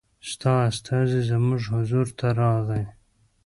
ستا استازی زموږ حضور ته راغی.